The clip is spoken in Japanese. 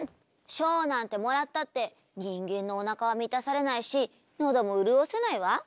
賞なんてもらったって人間のおなかは満たされないし喉も潤せないわ。